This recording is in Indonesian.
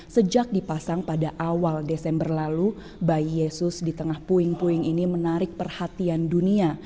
sejak dipasang pada awal desember lalu bayi yesus di tengah puing puing ini menarik perhatian dunia